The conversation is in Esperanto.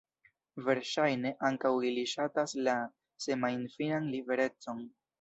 Verŝajne, ankaŭ ili ŝatas la semajnfinan liberecon.